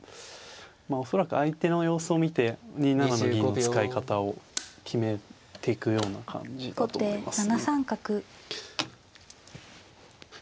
まあ恐らく相手の様子を見て２七の銀の使い方を決めていくような感じだと思いますね。